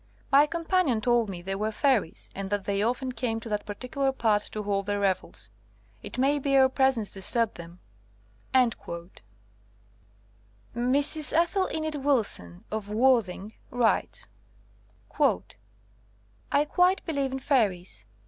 My companion told me they were fairies, and that they often came to that particular part to hold their revels. It may be our presence disturbed them." 166 SOME SUBSEQUENT CASES Mrs. Ethel Enid Wilson, of Worthing, writes : I quite believe in fairies.